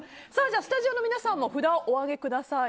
スタジオの皆さんも札をお上げください。